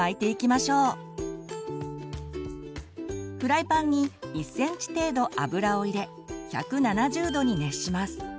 フライパンに１センチ程度油を入れ１７０℃に熱します。